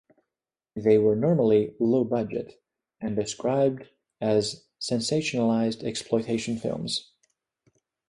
They were normally low-budget, and described as sensationalized exploitation films.